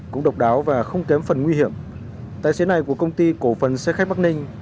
cũng độc đáo và không kém phần nguy hiểm tài xế này của công ty cổ phần xe khách bắc ninh